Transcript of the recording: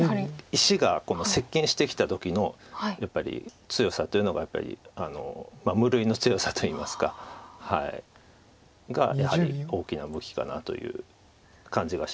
石が接近してきた時のやっぱり強さというのが無類の強さといいますか。がやはり大きな武器かなという感じがします。